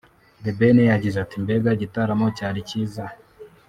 The Ben yagize ati “Mbega igitaramo cyari cyiza